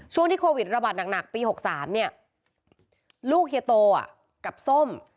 ช่วงที่โควิดระบาดหนักปี๖๓เนี่ยลูกเฮียโตกับส้ม